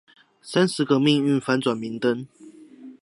三十個命運翻轉明燈